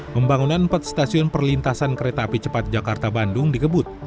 pembangunan empat stasiun perlintasan kereta api cepat jakarta bandung dikebut